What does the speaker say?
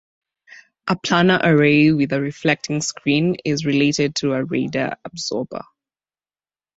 A planar array with a reflecting screen is related to a radar absorber.